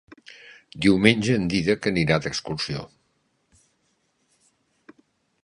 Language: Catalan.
Diumenge en Dídac anirà d'excursió.